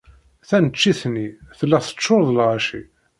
Taneččit-nni tella teččuṛ d lɣaci.